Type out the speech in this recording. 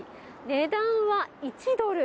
値段は、１ドル。